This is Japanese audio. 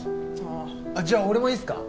じゃあ俺もいいっすか？